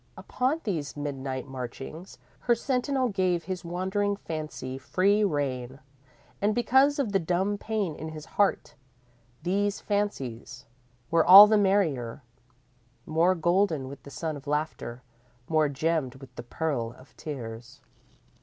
Upon these midnight marchings, her sentinel gave his wandering fancy free rein. And because of the dumb pain in his heart, these fancies were all the merrier; more golden with the sun of laughter, more gemmed with the pearl of tears.